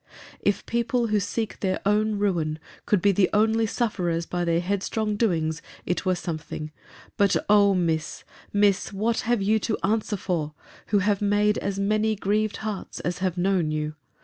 If people, who seek their own ruin, could be the only sufferers by their headstrong doings, it were something: But, O Miss, Miss! what have you to answer for, who have made as many grieved hearts as have known you!